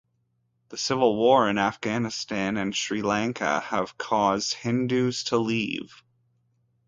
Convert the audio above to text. The civil war in Afghanistan and Sri Lanka have cause Hindus to leave.